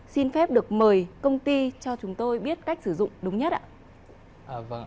xin phép được mời công ty cho chúng tôi biết cách sử dụng đúng nhất ạ